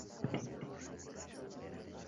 Men o`sha duoni oxirigacha bilaman